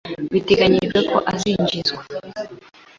biteganyijwe ko azinjizwa